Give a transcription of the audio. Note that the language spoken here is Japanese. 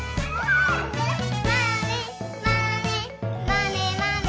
「まねまねまねまね」